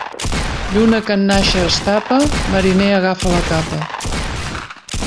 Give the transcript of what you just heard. Lluna que en nàixer es tapa, mariner agafa la capa.